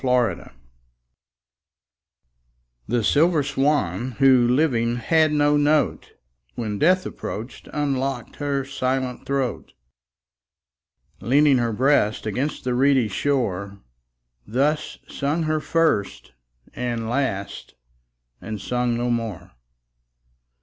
6 Autoplay The silver swan, who living had no note, When death approach'd, unlock'd her silent throat; Leaning her breast against the reedy shore, Thus sung her first and last, and sung no more.